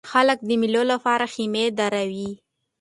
خلک د مېلو له پاره خیمې دروي.